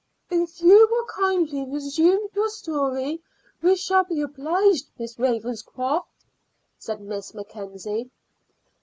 "If you will kindly resume your story we shall be obliged, Miss Ravenscroft," said Miss Mackenzie.